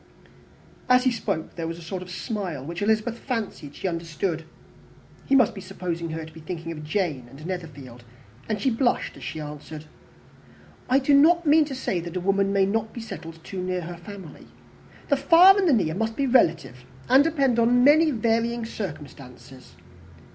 As he spoke there was a sort of smile, which Elizabeth fancied she understood; he must be supposing her to be thinking of Jane and Netherfield, and she blushed as she answered, "I do not mean to say that a woman may not be settled too near her family. The far and the near must be relative, and depend on many varying circumstances.